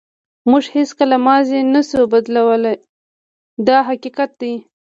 موږ هیڅکله ماضي نشو بدلولی دا حقیقت دی.